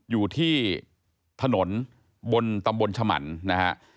อยู่ที่ถนนบนตำบลฉมันนะฮะ